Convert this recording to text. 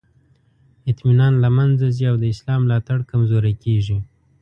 اطمینان له منځه ځي او د اصلاح ملاتړ کمزوری کیږي.